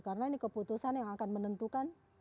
karena ini keputusan yang akan menentukan